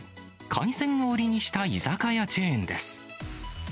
海鮮を売りにした居酒屋チェーンです。